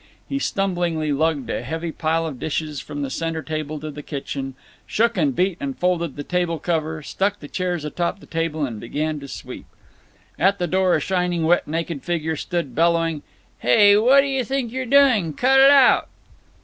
He stumblingly lugged a heavy pile of dishes from the center table to the kitchen, shook and beat and folded the table cover, stuck the chairs atop the table, and began to sweep. At the door a shining wet naked figure stood, bellowing: "Hey! What d' yuh think you're doing? Cut it out."